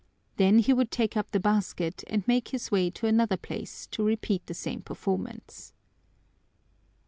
Then he would take up the basket and make his way to another place to repeat the same performance.